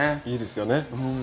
いいですよね。